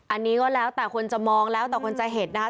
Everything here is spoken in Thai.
อันนี้ก็แล้วแต่คนจะมองแล้วแต่คนจะเห็นนะคะ